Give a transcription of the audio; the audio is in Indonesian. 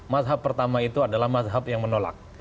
mazhab pertama itu adalah mazhab yang menolak